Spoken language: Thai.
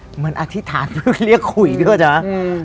เหมือนอธิษฐานเพื่อเรียกคุยด้วยจ๊ะ